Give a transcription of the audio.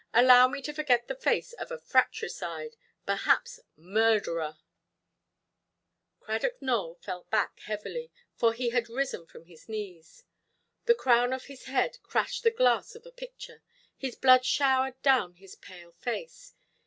Allow me to forget the face of a fratricide, perhaps murderer". Cradock Nowell fell back heavily, for he had risen from his knees. The crown of his head crashed the glass of a picture, and blood showered down his pale face.